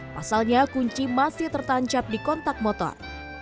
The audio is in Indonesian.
pasalnya kunci masih tertancap di kontak motor